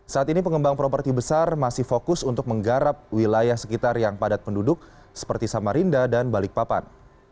saat ini pengembang properti besar masih fokus untuk menggarap wilayah sekitar yang padat penduduk seperti samarinda dan balikpapan